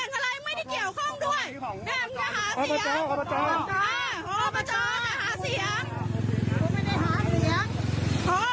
ไหนอ่ะมึงปล่อยที่สุดใจมึงทำเหมือนคนอื่น